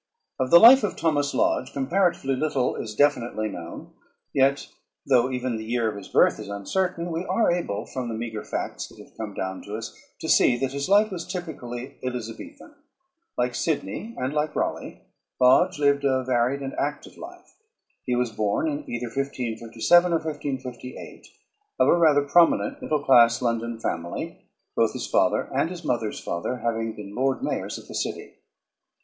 _ Of the life of Thomas Lodge comparatively little is definitely known. Yet, though even the year of his birth is uncertain, we are able from the meager facts that have come down to us to see that his life was typically Elizabethan. Like Sidney and like Raleigh, Lodge lived a varied and active life. He was born in either 1557 or 1558 of a rather prominent middle class London family, both his father and his mother's father having been lord mayors of the city.